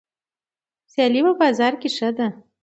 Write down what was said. سیالي په بازار کې ښه ده.